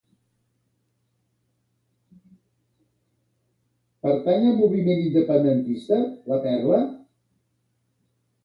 Pertany al moviment independentista la Perla?